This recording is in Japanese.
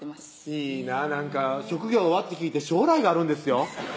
いいなぁ「職業は？」って聞いて将来があるんですよ